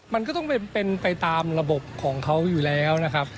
มันก็ต้องเป็นไปตามระบบของเขาอยู่แล้วนะครับ